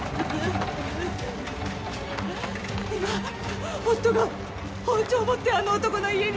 今夫が包丁を持ってあの男の家に。